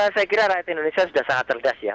saya kira rakyat indonesia sudah sangat terdampak